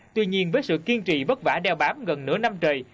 tuy nhiên với sự kiên trì vất vả đeo bám gần nửa năm trời